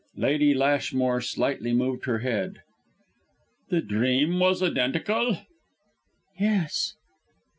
Lady Lashmore slightly moved her head. "The dream was identical?" "Yes."